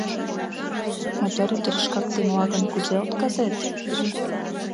Мотор ӱдыр шкак темла гын, кузе отказет?